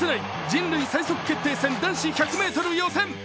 人類最速決定戦男子１００ｍ予選。